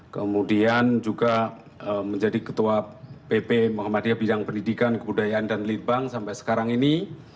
kemudian juga menjadi ketua pp muhammadiyah bidang pendidikan kebudayaan dan lead bank sampai sekarang ini